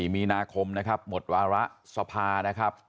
มีนาคมนะครับหมดวาระสภานะครับ